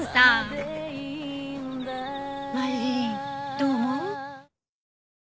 どう思う？